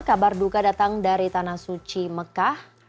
kabar duka datang dari tanah suci mekah